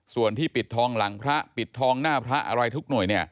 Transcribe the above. ส่วนที่ปิดทองหลังพระปิดทองหน้าพระอะไรทุกหน่วย